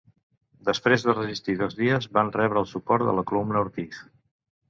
Després de resistir dos dies van rebre el suport de la columna Ortiz.